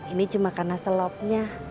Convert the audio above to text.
ini cuma karena selopnya